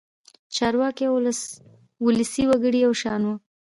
چارواکي او ولسي وګړي یو شان وو.